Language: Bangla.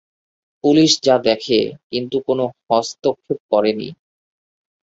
পুলিশ যা দেখে কিন্তু কোন হস্তক্ষেপ করে নি।